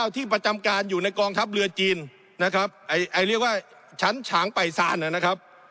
ที่ประจำการอยู่ในกองทัพเรือจีนนะครับเรียกว่าชั้นฉางป่ายซานนะครับ